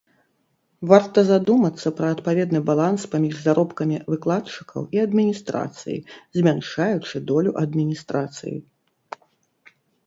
Варта задумацца пра адпаведны баланс паміж заробкамі выкладчыкаў і адміністрацыі, змяншаючы долю адміністрацыі.